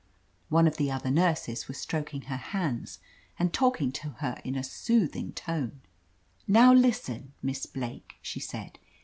One of the other nurses was stroking her hands and talk ing to her in a soothing tone. "Now listen, Miss Blake,'' she said.